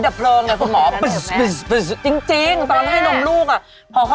หลุดหนีลูกหลุดหนีเลยหมอ